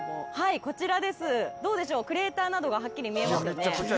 こちら、クレーターなどがはっきり見えますよね。